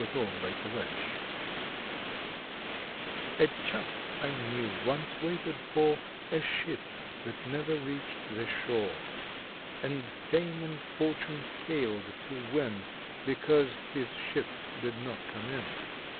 February Second A CHAP I knew once waited for ^* A ship that never reached the shore, And Fame and Fortune failed to win Because his ship did not come in.